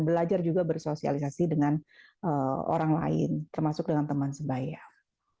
belajar juga bersosialisasi dengan orang lain termasuk dengan teman sebayar